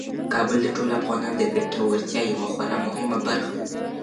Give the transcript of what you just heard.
کابل د ټولو افغانانو د ګټورتیا یوه خورا مهمه برخه ده.